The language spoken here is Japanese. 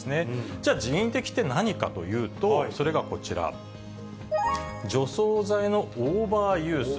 じゃあ、人為的って何かというと、それがこちら、除草剤のオーバーユース。